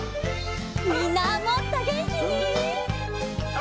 みんなもっとげんきに。